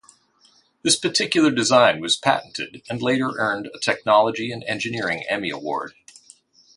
This particular design was patented and later earned a Technology and Engineering Emmy Award.